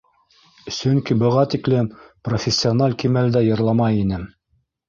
Сөнки быға тиклем профессиональ кимәлдә йырламай инем.